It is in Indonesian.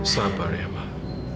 sabar ya mak